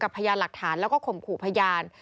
พยานหลักฐานแล้วก็ข่มขู่พยาน